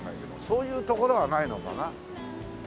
そういう所はないのかな？